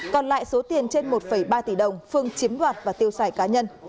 còn lại số tiền trên một ba tỷ đồng phương chiếm đoạt và tiêu xài cá nhân